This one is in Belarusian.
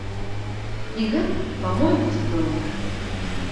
І гэта, па-мойму, цудоўна.